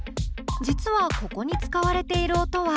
実はここに使われている音は。